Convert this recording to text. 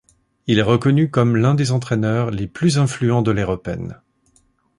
Il est reconnu comme l'un des entraîneurs les plus influents de l'ère Open.